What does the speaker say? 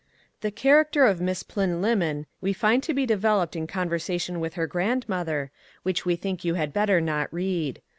The character of Miss Plynlimmon we find to be developed in conversation with her grandmother, which we think you had better not read.